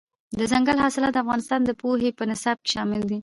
دځنګل حاصلات د افغانستان د پوهنې په نصاب کې شامل دي.